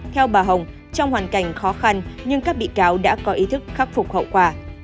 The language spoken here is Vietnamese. theo bà hồng trong hoàn cảnh khó khăn nhưng các bị cáo đã có ý thức khắc phục hậu quả